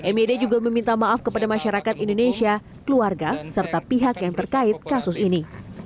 mid juga meminta maaf kepada masyarakat indonesia keluarga serta pihak yang terkait kasus ini